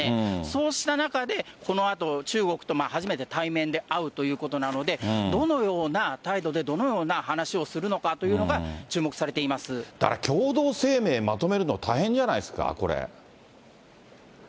そうした中で、このあと中国と初めて対面で会うということなので、どのような態度でどのような話をするのかということが、注目されだから、共同声明まとめるの大変じゃないですか、これ。